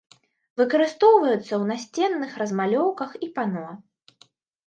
Выкарыстоўваецца ў насценных размалёўках і пано.